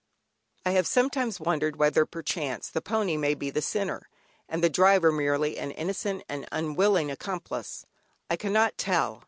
I have sometimes wondered whether perchance the pony may be the sinner, and the driver merely an innocent and unwilling accomplice. I cannot tell.